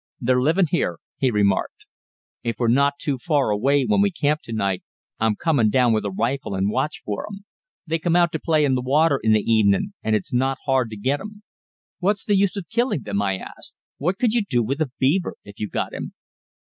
"They're livin' here," he remarked. "If we're not too far away when we camp to night, I'm comin' down with a rifle and watch for 'em. They come out to play in the water in the evenin' and it's not hard to get 'em." "What's the use of killing them?" I asked. "What could you do with a beaver if you got him?"